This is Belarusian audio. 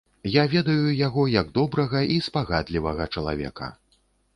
Я ведаю яго як добрага і спагадлівага чалавека.